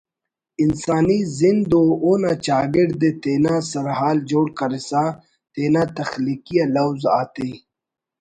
انسانی زند و اونا چاگڑد ءِ تینا سرحال جوڑ کرسا تینا تخلیقی آ لوز آتے